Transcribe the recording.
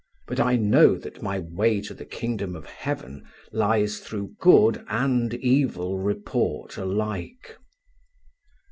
But I know that my way to the kingdom of Heaven lies through good and evil report alike."